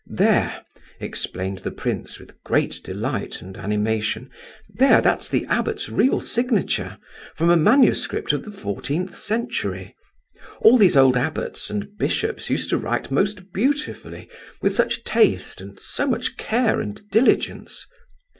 "There," explained the prince, with great delight and animation, "there, that's the abbot's real signature—from a manuscript of the fourteenth century. All these old abbots and bishops used to write most beautifully, with such taste and so much care and diligence.